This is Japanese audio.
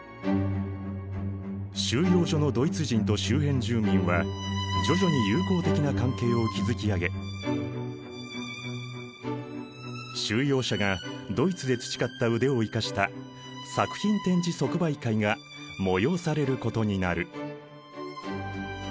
収容所のドイツ人と周辺住民は徐々に友好的な関係を築き上げ収容者がドイツで培った腕を生かした作品展示即売会が催されることになる。